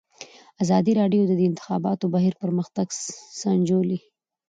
ازادي راډیو د د انتخاباتو بهیر پرمختګ سنجولی.